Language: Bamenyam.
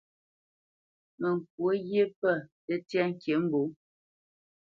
Mə kwǒ ghye pə̂ tə́tyá ŋkǐmbǒ.